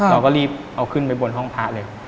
เราก็รีบเอาขึ้นไปบนห้องพระเลย